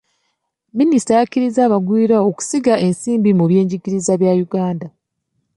Minisita yakkiriza abagwira okusiga ensimbi mu by'enjigiriza bya Uganda.